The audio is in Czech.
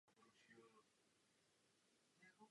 Vydal několik básnických sbírek.